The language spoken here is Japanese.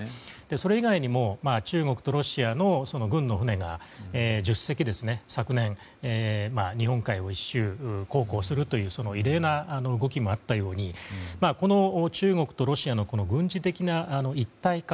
それ以外にも中国とロシアの軍の船が１０隻昨年、日本海を１周航行するという異例な動きもあったように中国とロシアの軍事的な一体化